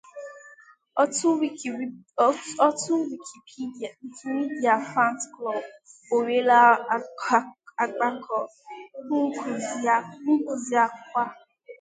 Òtù 'Wikimedia Fan Club' Enweela Ọ́gbakọ̀ Nkụzi n'Awka